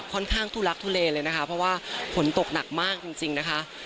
ค่อนข้างทุลักทุเลเลยนะคะเพราะว่าฝนตกหนักมากจริงนะคะ